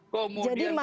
kemudian kompensasi kita